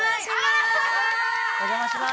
お邪魔します。